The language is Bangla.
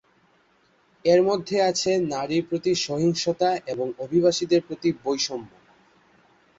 এর মধ্যে আছে নারীর প্রতি সহিংসতা এবং অভিবাসীদের প্রতি বৈষম্য।